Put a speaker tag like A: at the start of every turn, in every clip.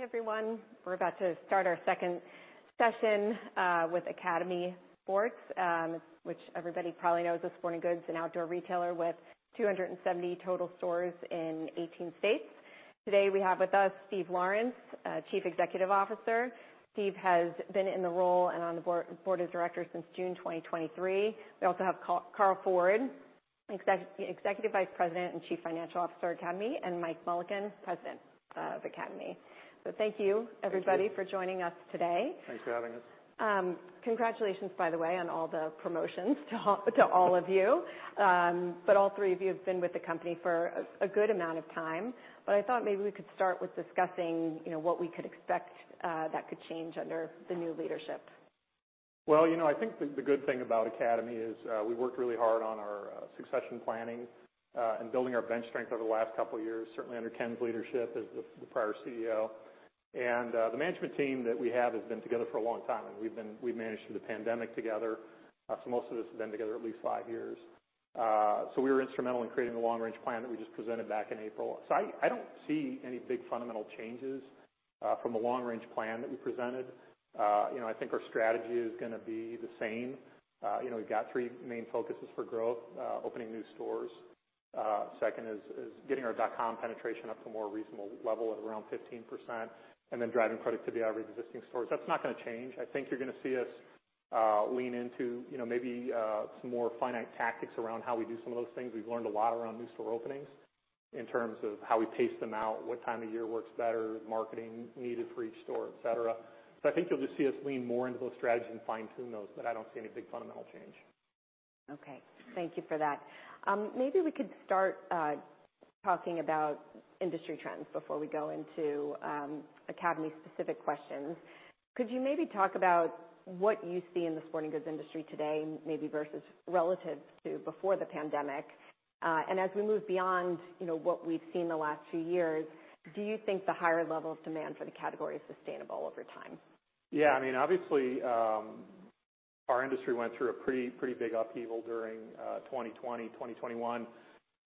A: Hi, everyone. We're about to start our second session with Academy Sports, which everybody probably knows is a sporting goods and outdoor retailer with 270 total stores in 18 states. Today, we have with us Steve Lawrence, Chief Executive Officer. Steve has been in the role and on the board of directors since June 2023. We also have Carl Ford, Executive Vice President and Chief Financial Officer at Academy, and Mike Mullican, President of Academy. So thank you, everybody, for joining us today.
B: Thanks for having us.
A: Congratulations, by the way, on all the promotions to all of you. But all three of you have been with the company for a good amount of time, but I thought maybe we could start with discussing, you know, what we could expect that could change under the new leadership.
B: Well, you know, I think the good thing about Academy is, we worked really hard on our succession planning, and building our bench strength over the last couple of years, certainly under Ken's leadership as the prior CEO. The management team that we have has been together for a long time, and we've been—we managed through the pandemic together. So most of us have been together at least five years. So we were instrumental in creating the long range plan that we just presented back in April. So I don't see any big fundamental changes from a long range plan that we presented. You know, I think our strategy is gonna be the same. you know, we've got three main focuses for growth: opening new stores, second is, is getting our dot com penetration up to a more reasonable level at around 15%, and then driving productivity average existing stores. That's not gonna change. I think you're gonna see us, lean into, you know, maybe, some more finite tactics around how we do some of those things. We've learned a lot around new store openings in terms of how we pace them out, what time of year works better, marketing needed for each store, et cetera. So I think you'll just see us lean more into those strategies and fine-tune those, but I don't see any big fundamental change.
A: Okay. Thank you for that. Maybe we could start talking about industry trends before we go into Academy-specific questions. Could you maybe talk about what you see in the sporting goods industry today, maybe versus relative to before the pandemic? And as we move beyond, you know, what we've seen in the last few years, do you think the higher level of demand for the category is sustainable over time?
B: Yeah, I mean, obviously, our industry went through a pretty, pretty big upheaval during 2020, 2021.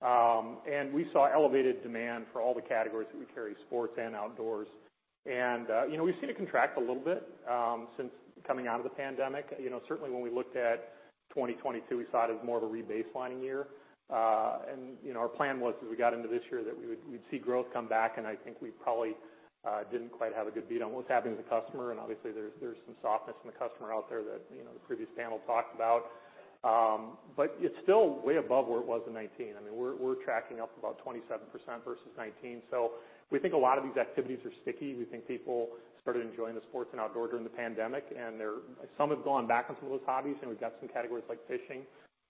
B: And we saw elevated demand for all the categories that we carry, sports and outdoors. And, you know, we've seen it contract a little bit since coming out of the pandemic. You know, certainly when we looked at 2022, we saw it as more of a rebaselining year. And, you know, our plan was, as we got into this year, that we would- we'd see growth come back, and I think we probably didn't quite have a good beat on what's happening to the customer. And obviously, there's, there's some softness in the customer out there that, you know, the previous panel talked about. But it's still way above where it was in 2019. I mean, we're, we're tracking up about 27% versus 2019. So we think a lot of these activities are sticky. We think people started enjoying the sports and outdoor during the pandemic, and they're, some have gone back on some of those hobbies, and we've got some categories like fishing,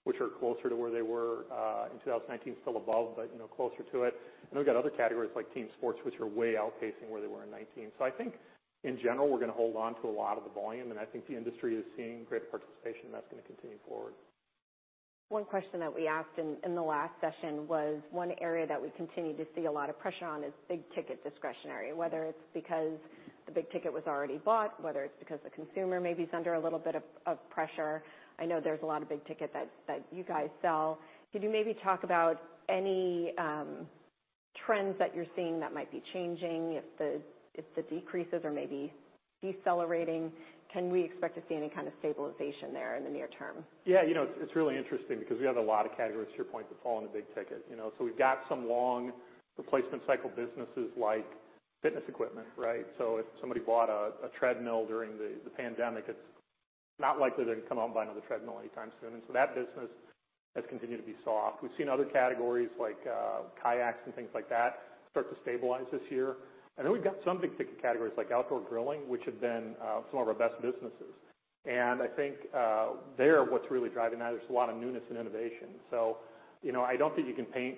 B: which are closer to where they were in 2019, still above, but, you know, closer to it. And we've got other categories like team sports, which are way outpacing where they were in 2019. So I think in general, we're gonna hold on to a lot of the volume, and I think the industry is seeing great participation, and that's gonna continue forward.
A: One question that we asked in the last session was, one area that we continue to see a lot of pressure on is big ticket discretionary, whether it's because the big ticket was already bought, whether it's because the consumer maybe is under a little bit of pressure. I know there's a lot of big ticket that you guys sell. Could you maybe talk about any trends that you're seeing that might be changing? If the decreases are maybe decelerating, can we expect to see any kind of stabilization there in the near term?
B: Yeah, you know, it's really interesting because we have a lot of categories to your point that fall in the big ticket. You know, so we've got some long replacement cycle businesses like fitness equipment, right? So if somebody bought a treadmill during the pandemic, it's not likely they're gonna come out and buy another treadmill anytime soon. And so that business has continued to be soft. We've seen other categories like kayaks and things like that start to stabilize this year. And then we've got some big ticket categories like outdoor grilling, which have been some of our best businesses. And I think there, what's really driving that is a lot of newness and innovation. So, you know, I don't think you can paint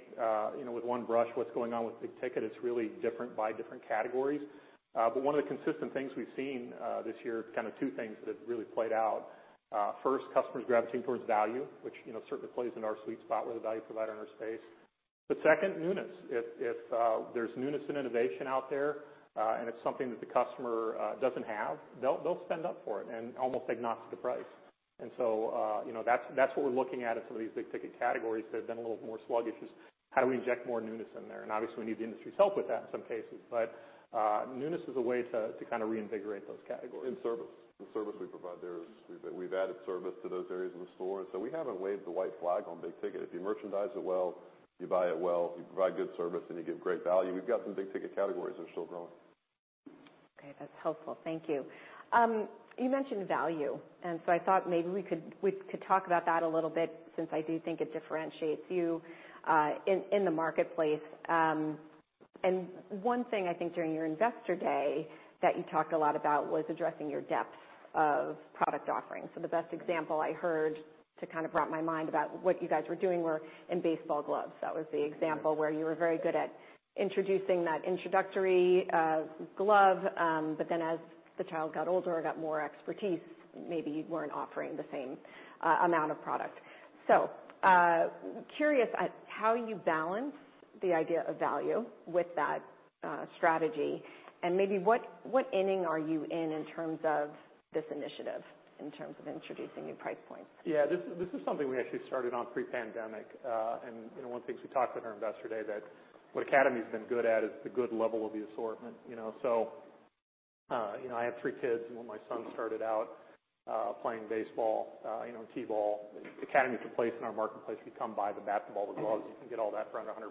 B: you know with one brush what's going on with big ticket. It's really different by different categories. But one of the consistent things we've seen, this year, kind of two things that have really played out. First, customers gravitating towards value, which, you know, certainly plays in our sweet spot. We're the value provider in our space. But second, newness. If there's newness and innovation out there, and it's something that the customer doesn't have, they'll spend up for it and almost agnostic to price. And so, you know, that's what we're looking at in some of these big ticket categories that have been a little more sluggish, is how do we inject more newness in there? And obviously, we need the industry's help with that in some cases. But, newness is a way to kind of reinvigorate those categories.
C: Service. The service we provide there is—we've, we've added service to those areas in the store. And so we haven't waved the white flag on big ticket. If you merchandise it well, you buy it well, you provide good service, and you give great value, we've got some big ticket categories that are still growing.
A: Okay, that's helpful. Thank you. You mentioned value, and so I thought maybe we could talk about that a little bit since I do think it differentiates you in the marketplace. And one thing I think during your Investor Day that you talked a lot about was addressing your depth of product offerings. So the best example I heard to kind of brought my mind about what you guys were doing were in baseball gloves. That was the example where you were very good at introducing that introductory glove, but then as the child got older or got more expertise, maybe you weren't offering the same amount of product. Curious at how you balance the idea of value with that strategy, and maybe what inning are you in in terms of this initiative, in terms of introducing new price points?
B: Yeah, this is something we actually started on pre-pandemic. And you know, one thing we talked with our Investor Day, that what Academy has been good at is the good level of the assortment. You know, I have three kids, and when my son started out, playing baseball, you know, T-ball, Academy's the place in our marketplace. You come buy the basketball, the gloves, you can get all that for under $100.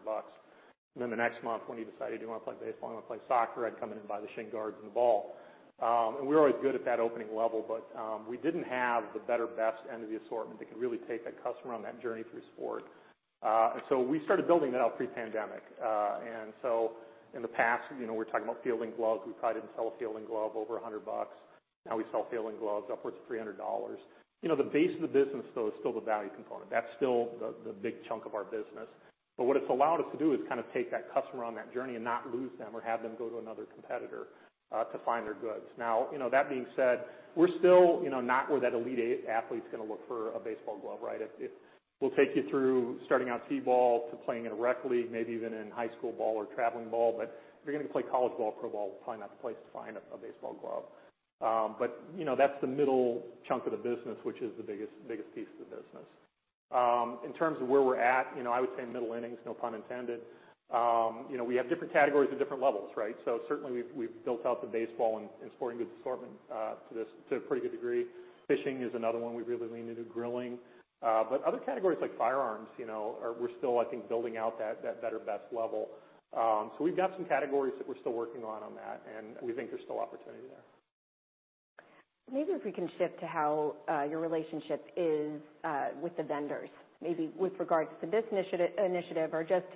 B: And then the next month, when he decided, "Do you want to play baseball? I want to play soccer," I'd come in and buy the shin guards and the ball. And we're always good at that opening level, but, we didn't have the better, best end of the assortment that could really take that customer on that journey through sport. We started building that out pre-pandemic. In the past, you know, we're talking about fielding gloves. We probably didn't sell a fielding glove over $100. Now we sell fielding gloves upwards of $300. You know, the base of the business, though, is still the value component. That's still the, the big chunk of our business. But what it's allowed us to do is kind of take that customer on that journey and not lose them or have them go to another competitor to find their goods. Now, you know, that being said, we're still, you know, not where that elite athlete's gonna look for a baseball glove, right? We'll take you through starting out T-ball to playing in a rec league, maybe even in high school ball or traveling ball, but if you're going to play college ball, pro ball, we're probably not the place to find a baseball glove. But you know, that's the middle chunk of the business, which is the biggest piece of the business. You know, in terms of where we're at, you know, I would say middle innings, no pun intended. You know, we have different categories at different levels, right? So certainly we've built out the baseball and sporting goods assortment to a pretty good degree. Fishing is another one we've really leaned into, grilling. But other categories, like firearms, you know, are we're still, I think, building out that better-best level. So we've got some categories that we're still working on, on that, and we think there's still opportunity there.
A: Maybe if we can shift to how your relationship is with the vendors, maybe with regards to this initiative or just,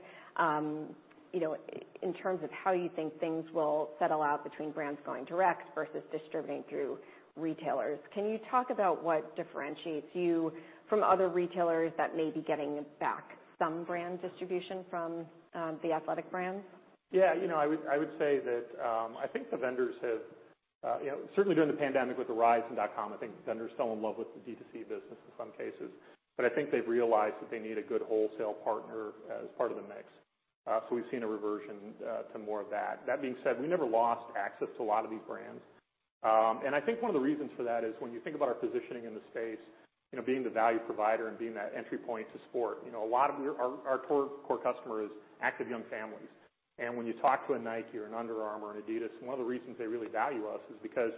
A: you know, in terms of how you think things will settle out between brands going direct versus distributing through retailers. Can you talk about what differentiates you from other retailers that may be getting back some brand distribution from the athletic brands?
B: Yeah, you know, I would, I would say that, I think the vendors have, you know, certainly during the pandemic with the rise in dotcom, I think vendors fell in love with the D2C business in some cases. But I think they've realized that they need a good wholesale partner as part of the mix. So we've seen a reversion to more of that. That being said, we never lost access to a lot of these brands. And I think one of the reasons for that is when you think about our positioning in the space, you know, being the value provider and being that entry point to sport, you know, a lot of our, our core, core customer is active young families. When you talk to a Nike or an Under Armour, an Adidas, one of the reasons they really value us is because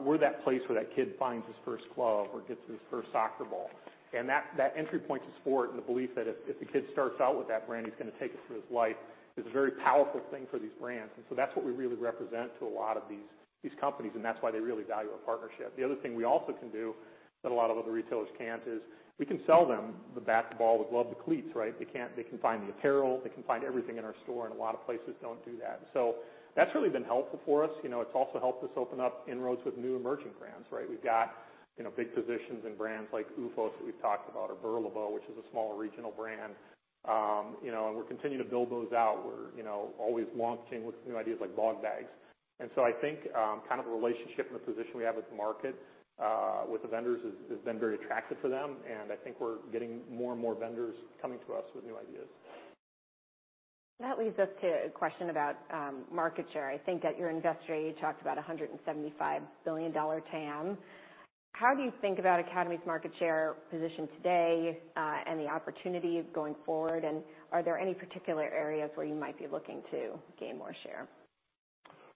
B: we're that place where that kid finds his first glove or gets his first soccer ball. And that, that entry point to sport and the belief that if, if the kid starts out with that brand, he's gonna take it through his life, is a very powerful thing for these brands. And so that's what we really represent to a lot of these, these companies, and that's why they really value our partnership. The other thing we also can do that a lot of other retailers can't, is we can sell them the basketball, the glove, the cleats, right? They can't, they can find the apparel, they can find everything in our store, and a lot of places don't do that. So that's really been helpful for us. You know, it's also helped us open up inroads with new emerging brands, right? We've got, you know, big positions in brands like OOFOS that we've talked about, or Hurley, which is a smaller regional brand. You know, and we're continuing to build those out. We're, you know, always launching with new ideas like Bogg Bags. And so I think, kind of the relationship and the position we have with the market, with the vendors has been very attractive for them, and I think we're getting more and more vendors coming to us with new ideas.
A: That leads us to a question about market share. I think at your investor day, you talked about a $175 billion TAM. How do you think about Academy's market share position today, and the opportunity going forward? And are there any particular areas where you might be looking to gain more share?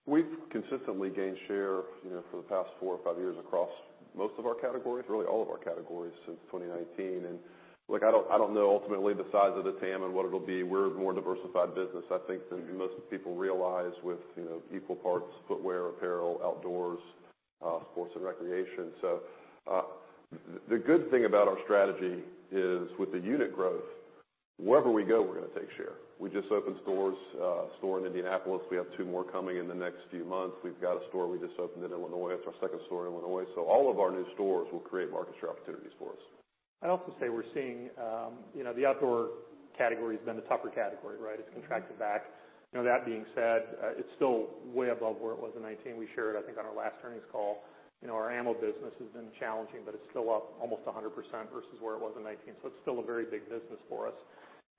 C: We've consistently gained share, you know, for the past four or five years across most of our categories, really all of our categories since 2019. And look, I don't, I don't know ultimately the size of the TAM and what it'll be. We're a more diversified business, I think, than most people realize with, you know, equal parts, footwear, apparel, outdoors, sports and recreation. So, the good thing about our strategy is, with the unit growth, wherever we go, we're gonna take share. We just opened stores, a store in Indianapolis. We have two more coming in the next few months. We've got a store we just opened in Illinois. That's our second store in Illinois. So all of our new stores will create market share opportunities for us.
B: I'd also say we're seeing, you know, the outdoor category has been the tougher category, right?
C: Mm-hmm.
B: It's contracted back. You know, that being said, it's still way above where it was in 2019. We shared, I think, on our last earnings call, you know, our ammo business has been challenging, but it's still up almost 100% versus where it was in 2019. So it's still a very big business for us.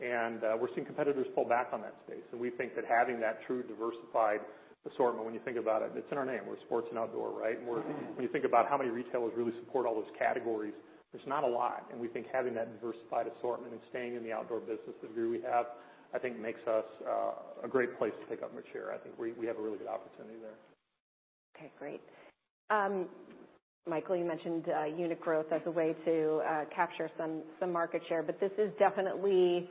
B: And, we're seeing competitors pull back on that space. So we think that having that true diversified assortment, when you think about it, it's in our name. We're sports and outdoor, right?
C: Mm-hmm.
B: When you think about how many retailers really support all those categories, there's not a lot. We think having that diversified assortment and staying in the outdoor business degree we have, I think, makes us a great place to pick up more share. I think we have a really good opportunity there.
A: Okay, great. Michael, you mentioned unit growth as a way to capture some market share, but this is definitely,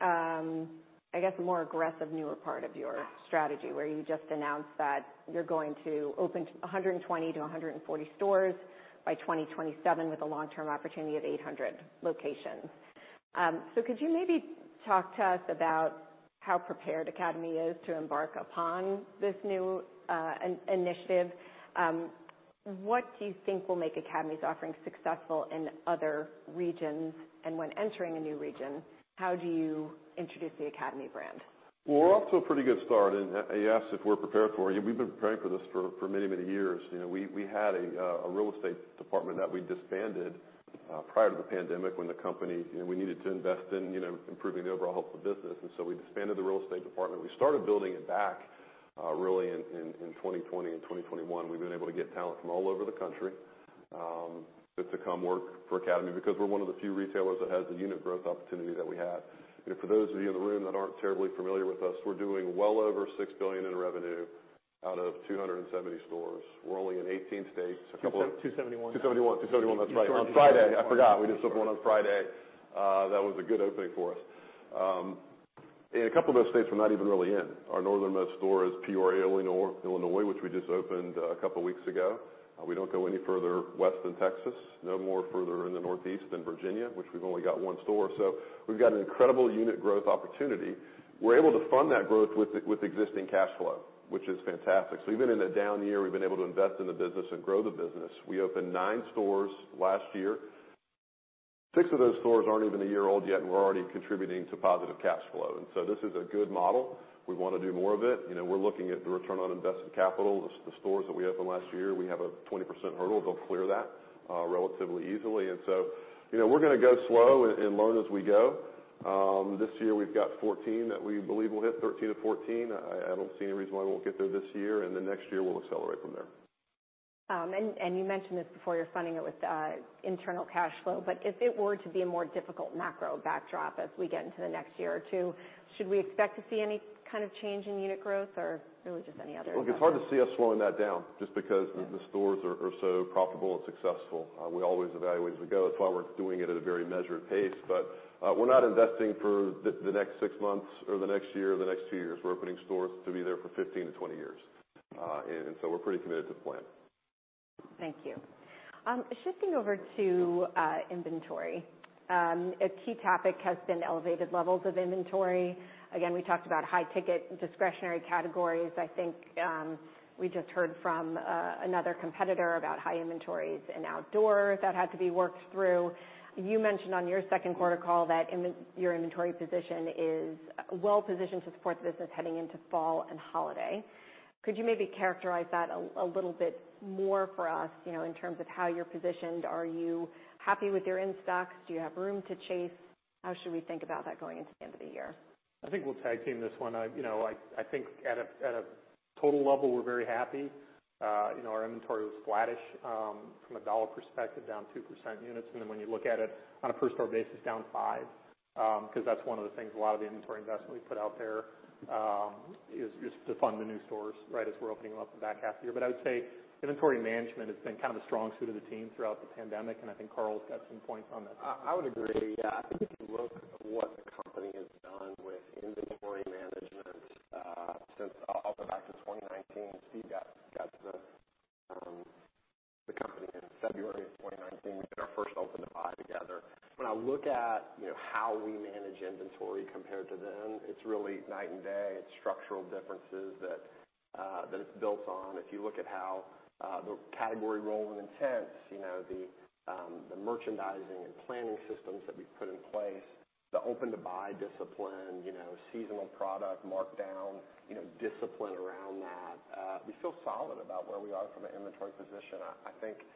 A: I guess, a more aggressive, newer part of your strategy, where you just announced that you're going to open 120-140 stores by 2027 with a long-term opportunity of 800 locations. So could you maybe talk to us about how prepared Academy is to embark upon this new initiative? What do you think will make Academy's offerings successful in other regions? And when entering a new region, how do you introduce the Academy brand?
C: Well, we're off to a pretty good start, and you asked if we're prepared for it. We've been preparing for this for many, many years. You know, we had a real estate department that we disbanded prior to the pandemic, when the company, you know, we needed to invest in, you know, improving the overall health of business, and so we disbanded the real estate department. We started building it back really in 2020 and 2021. We've been able to get talent from all over the country to come work for Academy because we're one of the few retailers that has the unit growth opportunity that we have. And for those of you in the room that aren't terribly familiar with us, we're doing well over $6 billion in revenue out of 270 stores. We're only in 18 states. A couple of-
B: Two seventy-one.
C: 271. 271, that's right. On Friday. I forgot we just opened one on Friday. That was a good opening for us. In a couple of those states, we're not even really in. Our northernmost store is Peoria, Illinois, Illinois, which we just opened a couple of weeks ago. We don't go any further west than Texas, no more further in the northeast than Virginia, which we've only got one store. So we've got an incredible unit growth opportunity. We're able to fund that growth with, with existing cash flow, which is fantastic. So even in a down year, we've been able to invest in the business and grow the business. We opened 9 stores last year. 6 of those stores aren't even a year old yet, and we're already contributing to positive cash flow. And so this is a good model. We want to do more of it. You know, we're looking at the return on invested capital. The stores that we opened last year, we have a 20% hurdle. They'll clear that relatively easily. And so, you know, we're gonna go slow and learn as we go. This year, we've got 14 that we believe will hit 13-14. I don't see any reason why we won't get there this year, and then next year we'll accelerate from there.
A: And you mentioned this before, you're funding it with internal cash flow. But if it were to be a more difficult macro backdrop as we get into the next year or two, should we expect to see any kind of change in unit growth, or it was just any other-
C: Look, it's hard to see us slowing that down just because-
A: Yeah
C: The stores are so profitable and successful. We always evaluate as we go. That's why we're doing it at a very measured pace. But we're not investing for the next six months or the next year or the next two years. We're opening stores to be there for 15-20 years. And so we're pretty committed to the plan.
A: Thank you. Shifting over to inventory. A key topic has been elevated levels of inventory. Again, we talked about high-ticket discretionary categories. I think we just heard from another competitor about high inventories and outdoor that had to be worked through. You mentioned on your second quarter call that your inventory position is well positioned to support the business heading into fall and holiday. Could you maybe characterize that a little bit more for us, you know, in terms of how you're positioned? Are you happy with your in-stocks? Do you have room to chase? How should we think about that going into the end of the year?
B: I think we'll tag-team this one. You know, I think at a total level, we're very happy. You know, our inventory was flattish, from a dollar perspective, down 2% units. And then when you look at it on a per store basis, down 5%. Because that's one of the things, a lot of the inventory investment we put out there is to fund the new stores, right, as we're opening them up the back half of the year. But I would say inventory management has been kind of a strong suit of the team throughout the pandemic, and I think Carl's got some points on that.
D: I would agree. Yeah. I think if you look at what the company has done with inventory management, since all the way back to 2019, Steve got the company in February of 2019. We did our first open-to-buy together. When I look at, you know, how we manage inventory compared to then, it's really night and day. It's structural differences that that it's built on. If you look at how the category role and intents, you know, the merchandising and planning systems that we've put in place, the open-to-buy discipline, you know, seasonal product markdown, you know, discipline around that, we feel solid about where we are from an inventory position. I think,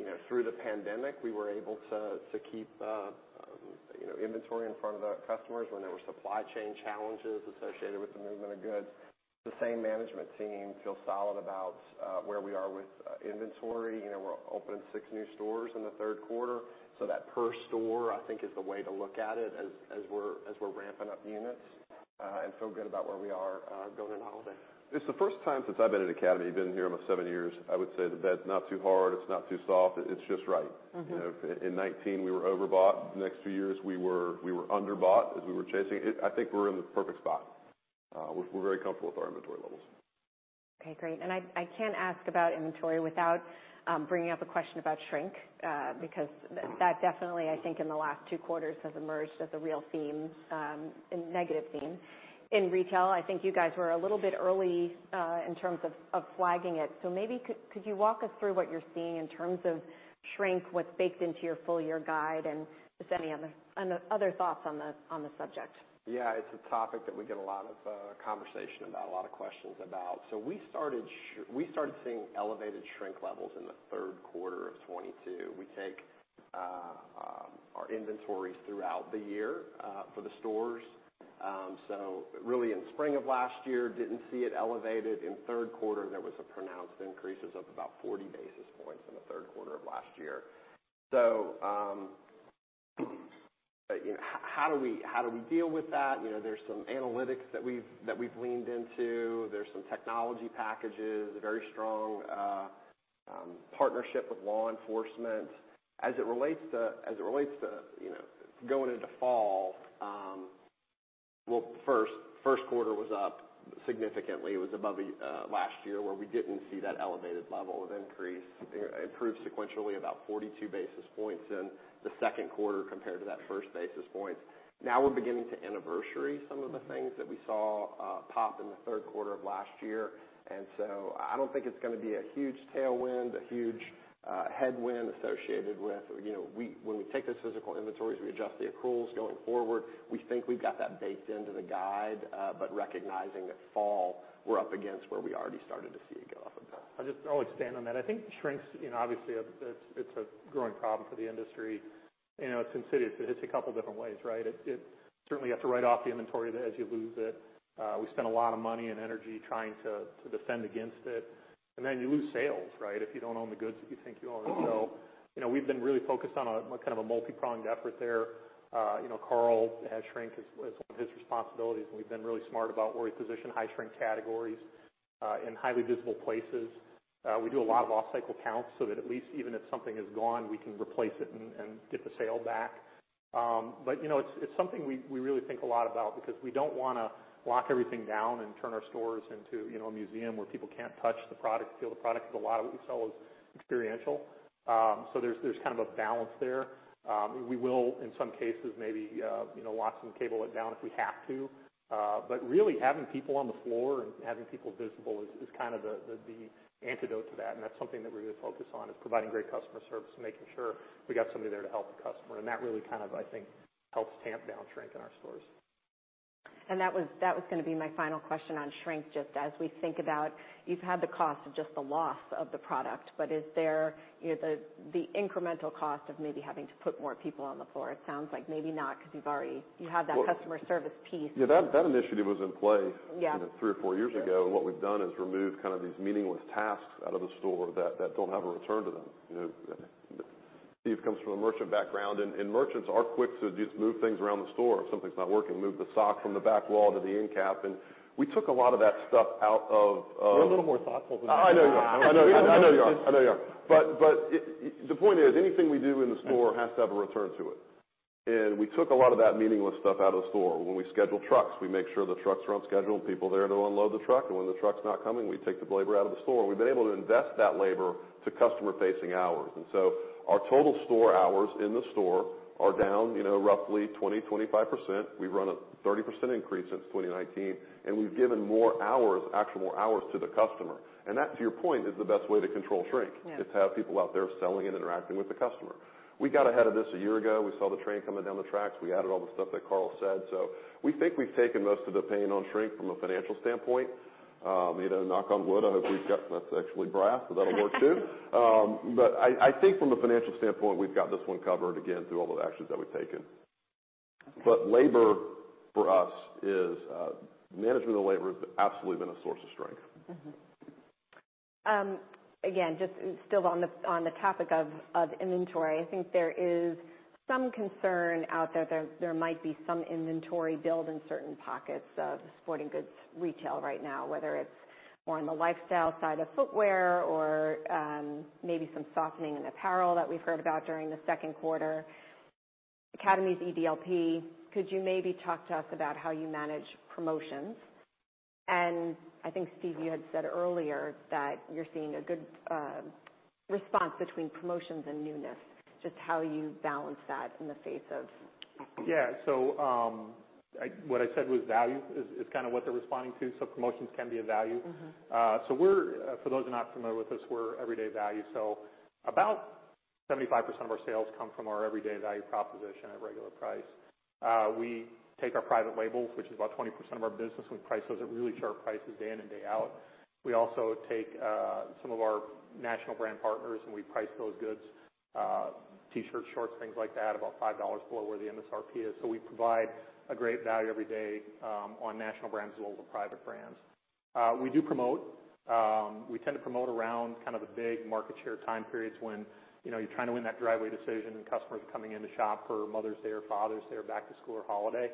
D: you know, through the pandemic, we were able to keep, you know, inventory in front of the customers when there were supply chain challenges associated with the movement of goods. The same management team feels solid about where we are with inventory. You know, we're opening six new stores in the third quarter, so that per store, I think, is the way to look at it as we're ramping up units and feel good about where we are going into holiday.
C: It's the first time since I've been at Academy, been here almost seven years. I would say the bed's not too hard, it's not too soft, it's just right.
A: Mm-hmm.
C: You know, in 2019, we were overbought. The next two years, we were underbought as we were chasing. I think we're in the perfect spot. We're very comfortable with our inventory levels.
A: Okay, great. And I can't ask about inventory without bringing up a question about shrink, because that definitely, I think, in the last two quarters, has emerged as a real theme, a negative theme in retail. I think you guys were a little bit early in terms of flagging it. So maybe you could walk us through what you're seeing in terms of shrink, what's baked into your full year guide, and just any other thoughts on the subject?
D: Yeah, it's a topic that we get a lot of conversation about, a lot of questions about. So we started seeing elevated shrink levels in the third quarter of 2022. We take our inventories throughout the year for the stores. So really, in spring of last year, didn't see it elevated. In third quarter, there was a pronounced increases of about 40 basis points in the third quarter of last year. So, you know, how do we deal with that? You know, there's some analytics that we've leaned into. There's some technology packages, a very strong partnership with law enforcement. As it relates to going into fall... Well, first quarter was up significantly. It was above last year, where we didn't see that elevated level of increase. It improved sequentially about 42 basis points in the second quarter compared to that first quarter. Now we're beginning to anniversary some of the things that we saw pop in the third quarter of last year, and so I don't think it's gonna be a huge tailwind, a huge headwind associated with. You know, when we take the physical inventories, we adjust the accruals going forward. We think we've got that baked into the guide, but recognizing that fall, we're up against where we already started to see it go up a bit.
B: I'll just, I'll expand on that. I think shrinks, you know, obviously, it's a growing problem for the industry. You know, it's insidious. It hits a couple different ways, right? It certainly, you have to write off the inventory as you lose it. We spend a lot of money and energy trying to defend against it, and then you lose sales, right? If you don't own the goods that you think you own. So, you know, we've been really focused on a kind of multi-pronged effort there. You know, Carl has shrink as one of his responsibilities, and we've been really smart about where we position high shrink categories in highly visible places. We do a lot of off-cycle counts, so that at least even if something is gone, we can replace it and get the sale back. But, you know, it's something we really think a lot about because we don't wanna lock everything down and turn our stores into, you know, a museum where people can't touch the product, feel the product, because a lot of what we sell is experiential. So there's kind of a balance there. We will, in some cases, maybe, you know, lock some cable down if we have to. But really, having people on the floor and having people visible is kind of the antidote to that, and that's something that we're gonna focus on, is providing great customer service and making sure we got somebody there to help the customer. And that really kind of, I think, helps tamp down shrink in our stores.
A: And that was gonna be my final question on shrink, just as we think about... You've had the cost of just the loss of the product, but is there, you know, the incremental cost of maybe having to put more people on the floor? It sounds like maybe not, because you've already-
C: Well-
A: You have that customer service piece.
C: Yeah, that initiative was in place-
A: Yeah
C: You know, three or four years ago, and what we've done is removed kind of these meaningless tasks out of the store that don't have a return to them. You know, Steve comes from a merchant background, and merchants are quick to just move things around the store. If something's not working, move the sock from the back wall to the end cap, and we took a lot of that stuff out of.
B: We're a little more thoughtful than that.
C: I know you are. I know you are. I know you are. But, the point is, anything we do in the store has to have a return to it. And we took a lot of that meaningless stuff out of the store. When we schedule trucks, we make sure the trucks are on schedule and people are there to unload the truck. And when the truck's not coming, we take the labor out of the store. We've been able to invest that labor to customer-facing hours. And so our total store hours in the store are down, you know, roughly 20%-25%. We've run a 30% increase since 2019, and we've given more hours, actual more hours to the customer. And that, to your point, is the best way to control shrink-
A: Yeah.
C: is to have people out there selling and interacting with the customer. We got ahead of this a year ago. We saw the train coming down the tracks. We added all the stuff that Carl said. So we think we've taken most of the pain on shrink from a financial standpoint. You know, knock on wood, I hope we've got... That's actually brass, but that'll work, too. But I, I think from a financial standpoint, we've got this one covered, again, through all the actions that we've taken.
A: Okay.
C: But labor for us is, management of the labor has absolutely been a source of strength.
A: Mm-hmm. Again, just still on the topic of inventory, I think there is some concern out there that there might be some inventory build in certain pockets of sporting goods retail right now, whether it's more on the lifestyle side of footwear or maybe some softening in apparel that we've heard about during the second quarter. Academy's EDLP, could you maybe talk to us about how you manage promotions? And I think, Steve, you had said earlier that you're seeing a good response between promotions and newness, just how you balance that in the face of-
B: Yeah. So, what I said was value is, is kind of what they're responding to, so promotions can be a value.
A: Mm-hmm.
B: So we're, for those who are not familiar with us, we're everyday value. So about 75% of our sales come from our everyday value proposition at regular price. We take our private labels, which is about 20% of our business, and we price those at really sharp prices day in and day out. We also take some of our national brand partners, and we price those goods, T-shirts, shorts, things like that, about $5 below where the MSRP is. So we provide a great value every day on national brands as well as the private brands. We do promote. We tend to promote around kind of the big market share time periods when, you know, you're trying to win that driveway decision and customers are coming in to shop for Mother's Day or Father's Day or back to school or holiday.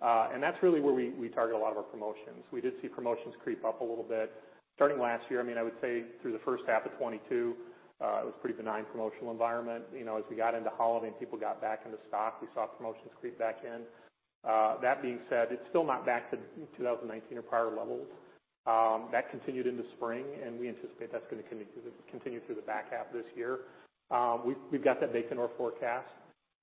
B: That's really where we, we target a lot of our promotions. We did see promotions creep up a little bit. Starting last year, I mean, I would say through the first half of 2022, it was a pretty benign promotional environment. You know, as we got into holiday and people got back into stock, we saw promotions creep back in. That being said, it's still not back to 2019 or prior levels. That continued into spring, and we anticipate that's gonna continue through the, continue through the back half of this year. We've got that baked in our forecast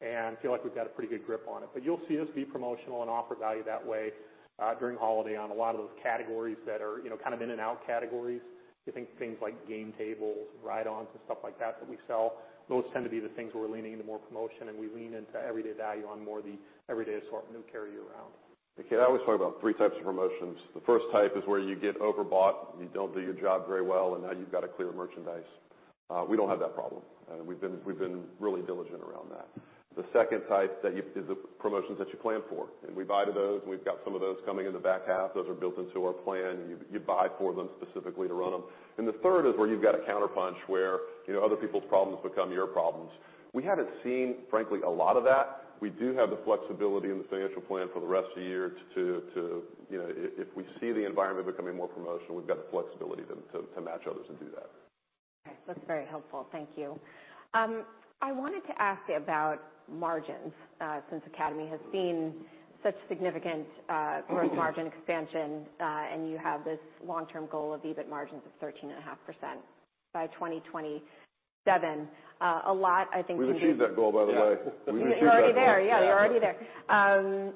B: and feel like we've got a pretty good grip on it. But you'll see us be promotional and offer value that way, during holiday on a lot of those categories that are, you know, kind of in-and-out categories. You think things like game tables, ride-ons, and stuff like that, that we sell. Those tend to be the things where we're leaning into more promotion, and we lean into everyday value on more the everyday assortment we carry year-round.
C: Okay, I always talk about three types of promotions. The first type is where you get overbought, and you don't do your job very well, and now you've got to clear merchandise. We don't have that problem, and we've been really diligent around that. The second type is the promotions that you plan for, and we buy to those, and we've got some of those coming in the back half. Those are built into our plan. You buy for them specifically to run them. And the third is where you've got a counterpunch where, you know, other people's problems become your problems. We haven't seen, frankly, a lot of that. We do have the flexibility in the financial plan for the rest of the year to, you know, if we see the environment becoming more promotional, we've got the flexibility to match others and do that.
A: Okay. That's very helpful. Thank you. I wanted to ask about margins, since Academy has seen such significant gross margin expansion, and you have this long-term goal of EBIT margins of 13.5% by 2027. A lot, I think-
C: We've achieved that goal, by the way.
B: Yeah.
C: We've achieved that.
A: You're already there. Yeah, you're already there.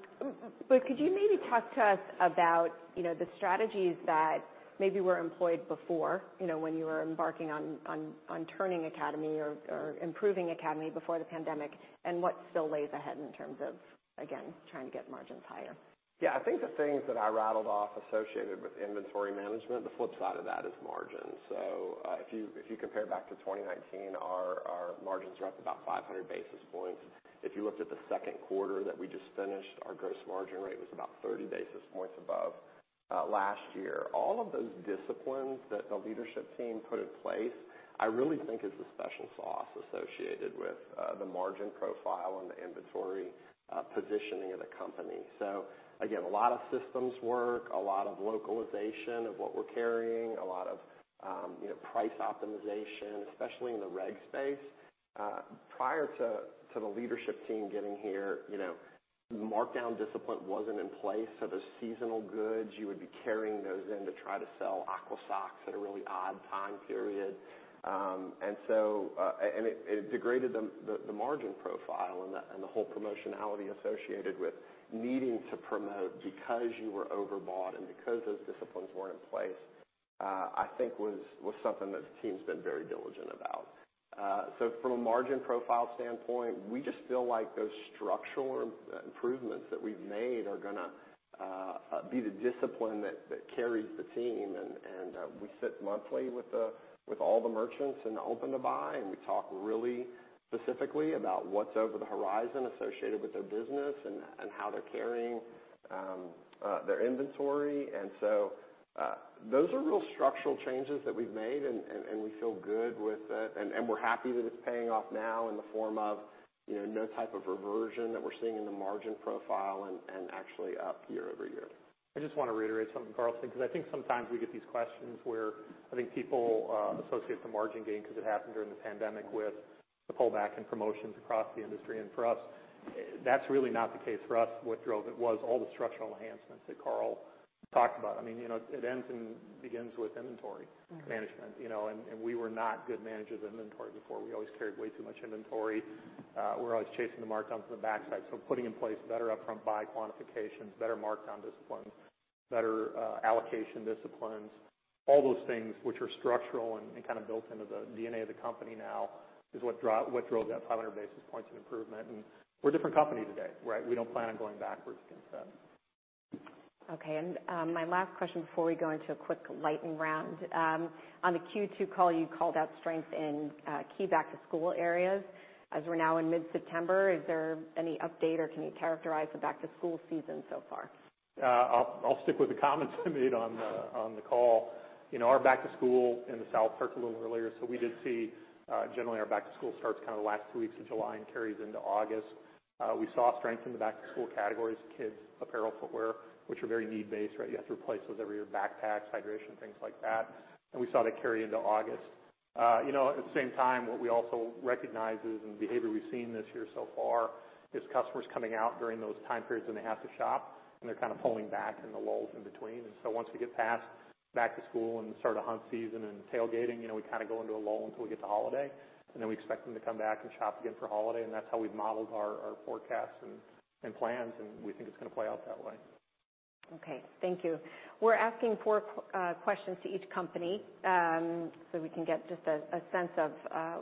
A: But could you maybe talk to us about, you know, the strategies that maybe were employed before, you know, when you were embarking on turning Academy or improving Academy before the pandemic? And what still lays ahead in terms of, again, trying to get margins higher?
D: Yeah. I think the things that I rattled off associated with inventory management, the flip side of that is-... margin. So, if you, if you compare back to 2019, our margins are up about 500 basis points. If you looked at the second quarter that we just finished, our gross margin rate was about 30 basis points above last year. All of those disciplines that the leadership team put in place, I really think is the special sauce associated with the margin profile and the inventory positioning of the company. So again, a lot of systems work, a lot of localization of what we're carrying, a lot of, you know, price optimization, especially in the reg space. Prior to the leadership team getting here, you know, markdown discipline wasn't in place. So the seasonal goods, you would be carrying those in to try to sell aqua socks at a really odd time period. And so, and it degraded the margin profile and the whole promotionality associated with needing to promote because you were overbought and because those disciplines weren't in place, I think was something that the team's been very diligent about. So from a margin profile standpoint, we just feel like those structural improvements that we've made are gonna be the discipline that carries the team. And we sit monthly with all the merchants and open to buy, and we talk really specifically about what's over the horizon associated with their business and how they're carrying their inventory. And so, those are real structural changes that we've made, and we feel good with it, and we're happy that it's paying off now in the form of, you know, no type of reversion that we're seeing in the margin profile and actually up year over year.
B: I just wanna reiterate something, Carl said, because I think sometimes we get these questions where I think people associate the margin gain, because it happened during the pandemic, with the pullback in promotions across the industry. And for us, that's really not the case for us. What drove it was all the structural enhancements that Carl talked about. I mean, you know, it ends and begins with inventory management, you know, and, and we were not good managers of inventory before. We always carried way too much inventory. We're always chasing the markdowns on the backside. So putting in place better upfront buy quantifications, better markdown discipline, better allocation disciplines, all those things which are structural and, and kind of built into the DNA of the company now, is what drove that 500 basis points of improvement. We're a different company today, right? We don't plan on going backwards against that.
A: Okay. And, my last question before we go into a quick lightning round. On the Q2 call, you called out strength in key back-to-school areas. As we're now in mid-September, is there any update or can you characterize the back-to-school season so far?
B: I'll stick with the comments I made on the call. You know, our back-to-school in the South starts a little earlier, so we did see... Generally, our back-to-school starts kinda the last two weeks of July and carries into August. You know, at the same time, what we also recognize is, and behavior we've seen this year so far, is customers coming out during those time periods when they have to shop, and they're kind of pulling back in the lulls in between. And so once we get past back to school and start a hunt season and tailgating, you know, we kinda go into a lull until we get to holiday, and then we expect them to come back and shop again for holiday. And that's how we've modeled our forecasts and plans, and we think it's gonna play out that way.
A: Okay, thank you. We're asking four questions to each company, so we can get just a sense of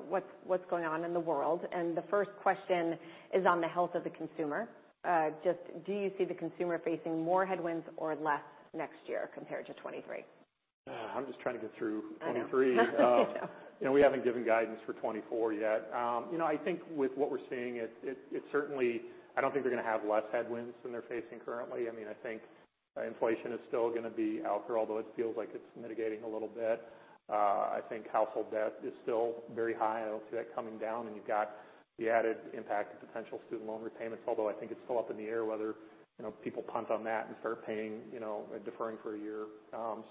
A: what's going on in the world. And the first question is on the health of the consumer. Just do you see the consumer facing more headwinds or less next year compared to 2023?
B: I'm just trying to get through 2023.
A: I know.
B: You know, we haven't given guidance for 2024 yet. You know, I think with what we're seeing, it certainly... I don't think they're gonna have less headwinds than they're facing currently. I mean, I think inflation is still gonna be out there, although it feels like it's mitigating a little bit. I think household debt is still very high. I don't see that coming down, and you've got the added impact of potential student loan repayments, although I think it's still up in the air whether, you know, people punt on that and start paying, you know, deferring for a year.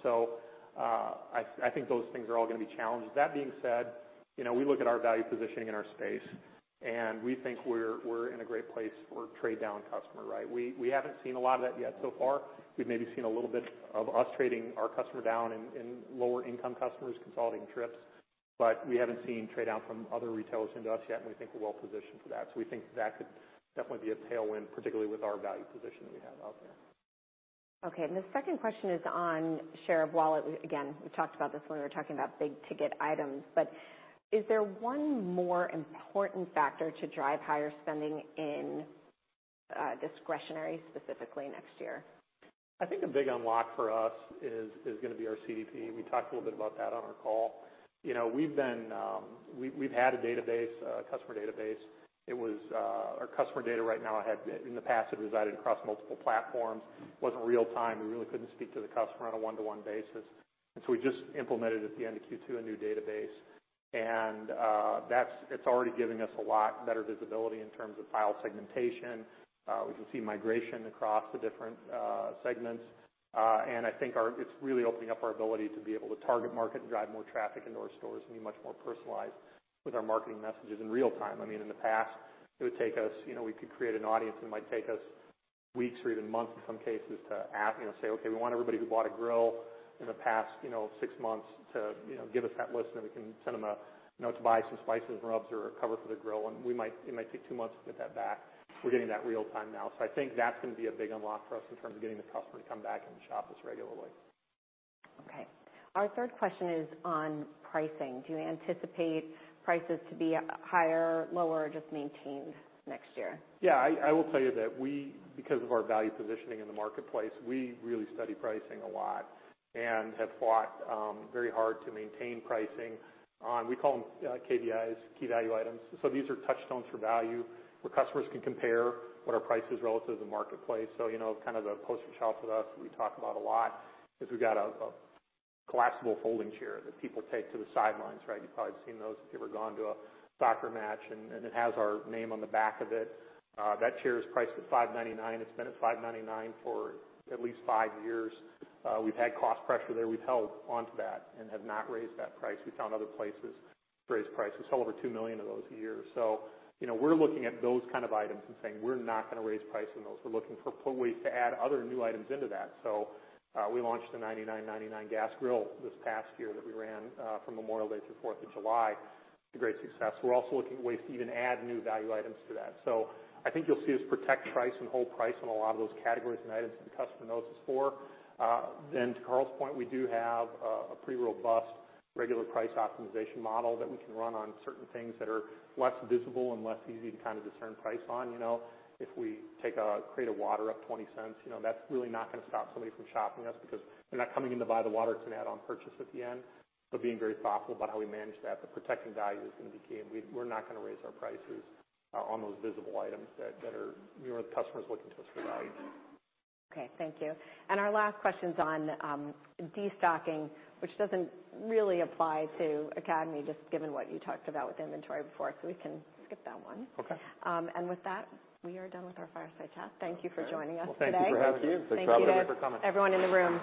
B: So, I think those things are all gonna be challenges. That being said, you know, we look at our value positioning in our space, and we think we're in a great place for trade-down customer, right? We haven't seen a lot of that yet so far. We've maybe seen a little bit of us trading our customer down in lower-income customers, consulting trips, but we haven't seen trade down from other retailers into us yet, and we think we're well positioned for that. So we think that could definitely be a tailwind, particularly with our value position that we have out there.
A: Okay, and the second question is on share of wallet. Again, we talked about this when we were talking about big-ticket items, but is there one more important factor to drive higher spending in discretionary, specifically next year?
B: I think the big unlock for us is gonna be our CDP. We talked a little bit about that on our call. You know, we've had a database, a customer database. It was our customer data right now had, in the past, it resided across multiple platforms. It wasn't real time. We really couldn't speak to the customer on a one-to-one basis. And so we just implemented, at the end of Q2, a new database, and it's already giving us a lot better visibility in terms of file segmentation. We can see migration across the different segments. And I think it's really opening up our ability to be able to target market and drive more traffic into our stores and be much more personalized with our marketing messages in real time. I mean, in the past, it would take us... You know, we could create an audience, and it might take us weeks or even months in some cases, to ask, you know, say, "Okay, we want everybody who bought a grill in the past, you know, six months to, you know, give us that list, and then we can send them a, you know, to buy some spices and rubs or a cover for the grill." It might take two months to get that back. We're getting that real time now. So I think that's gonna be a big unlock for us in terms of getting the customer to come back and shop us regularly.
A: Okay. Our third question is on pricing. Do you anticipate prices to be higher, lower, or just maintained next year?
B: Yeah, I will tell you that we, because of our value positioning in the marketplace, we really study pricing a lot and have fought very hard to maintain pricing on, we call them, KVIs, key value items. So these are touchstones for value, where customers can compare what our price is relative to the marketplace. So, you know, kind of the poster child for us, we talk about a lot, is we've got a collapsible folding chair that people take to the sidelines, right? You've probably seen those if you've ever gone to a soccer match, and it has our name on the back of it. That chair is priced at $5.99. It's been at $5.99 for at least 5 years. We've had cost pressure there. We've held onto that and have not raised that price. We found other places to raise prices. We sell over 2 million of those a year. So, you know, we're looking at those kind of items and saying: We're not gonna raise price on those. We're looking for ways to add other new items into that. So, we launched the $99.99 gas grill this past year that we ran from Memorial Day through Fourth of July to great success. We're also looking at ways to even add new value items to that. So I think you'll see us protect price and hold price on a lot of those categories and items, and the customer knows us for. Then to Carl's point, we do have a pretty robust regular price optimization model that we can run on certain things that are less visible and less easy to kind of discern price on. You know, if we take a crate of water up $0.20, you know, that's really not gonna stop somebody from shopping us because they're not coming in to buy the water. It's an add-on purchase at the end. But being very thoughtful about how we manage that, protecting value is gonna be key, and we're not gonna raise our prices on those visible items that are... You know, where the customer is looking to us for value.
A: Okay, thank you. Our last question's on destocking, which doesn't really apply to Academy, just given what you talked about with inventory before, so we can skip that one.
B: Okay.
A: With that, we are done with our fireside chat. Thank you for joining us today.
B: Well, thank you for having me.
D: Thank you for coming.
A: Thank you to everyone in the room.